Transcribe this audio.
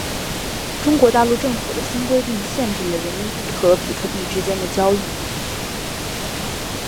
中国大陆政府的新规定限制了人民币和比特币之间的交易。